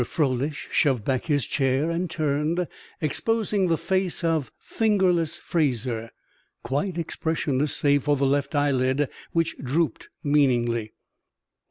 Froelich shoved back his chair and turned, exposing the face of "Fingerless" Fraser, quite expressionless save for the left eyelid, which drooped meaningly.